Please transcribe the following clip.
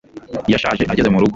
yashaje ageze murugo